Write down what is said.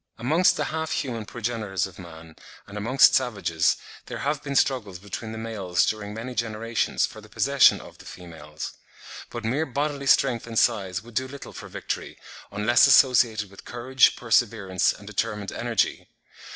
Amongst the half human progenitors of man, and amongst savages, there have been struggles between the males during many generations for the possession of the females. But mere bodily strength and size would do little for victory, unless associated with courage, perseverance, and determined energy.